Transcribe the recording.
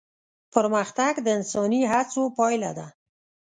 پرمختګ د انساني هڅو پايله ده.